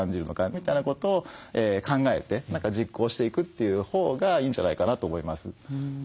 みたいなことを考えて何か実行していくというほうがいいんじゃないかなと思います。